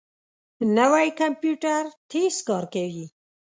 نوی کمپیوټر تېز کار کوي